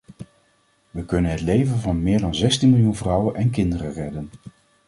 We kunnen het leven van meer dan zestien miljoen vrouwen en kinderen redden.